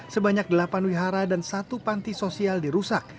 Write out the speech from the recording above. sebanyak delapan wihara dan satu panti sosial dirusak